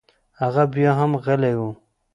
هغه بيا هم غلى و.